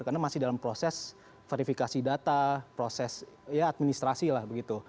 karena masih dalam proses verifikasi data proses ya administrasi lah begitu